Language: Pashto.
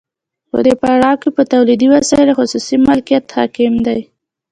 په دې پړاو کې په تولیدي وسایلو خصوصي مالکیت حاکم دی